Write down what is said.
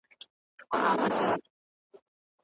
هغه وویل چې انټرنيټ نړۍ یو کور کړی دی.